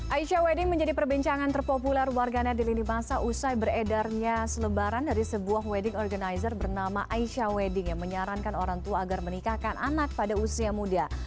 aisyah wedding menjadi perbincangan terpopuler warganet di lini masa usai beredarnya selebaran dari sebuah wedding organizer bernama aisyah wedding yang menyarankan orang tua agar menikahkan anak pada usia muda